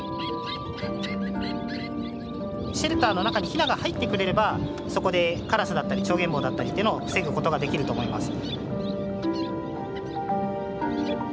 シェルターの中にヒナが入ってくれればそこでカラスだったりチョウゲンボウだったりっていうのを防ぐことができると思います。